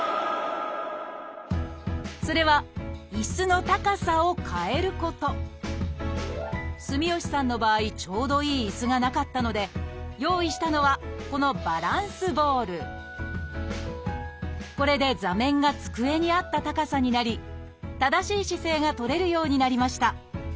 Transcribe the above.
それは住吉さんの場合ちょうどいい椅子がなかったので用意したのはこのこれで座面が机に合った高さになり正しい姿勢がとれるようになりました。